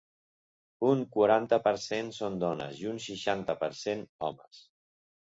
Un quaranta per cent són dones i un seixanta per cent, homes.